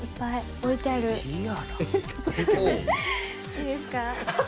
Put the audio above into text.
いいですか？